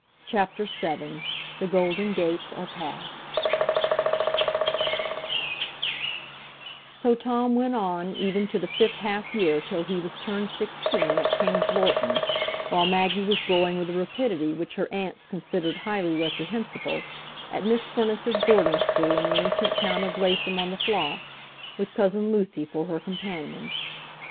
Chapter VII. The Golden Gates Are Passed So Tom went on even to the fifth half year—till he was turned sixteen—at King's Lorton, while Maggie was growing with a rapidity which her aunts considered highly reprehensible, at Miss Firniss's boarding school in the ancient town of Laceham on the Floss, with cousin Lucy for her companion.